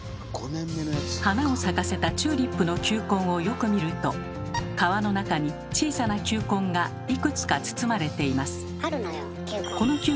花を咲かせたチューリップの球根をよく見ると皮の中に小さな球根がいくつか包まれています。